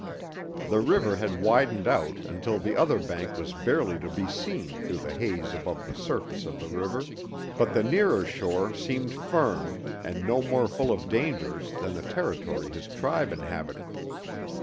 The river had widened out until the other bank was barely to be seen through the haze above the surface of the river, but the nearer shore seemed firm and no more full of dangers than the territory his tribe inhabited.